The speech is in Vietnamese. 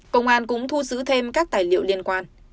công an cũng thu giữ thêm các tài liệu liên quan